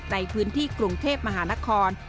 ในพื้นที่กรุงเทพมหานคร